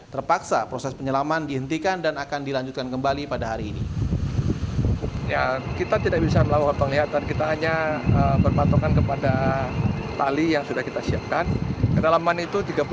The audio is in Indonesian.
terpaksa proses penyelaman dihentikan dan akan dilanjutkan kembali pada hari ini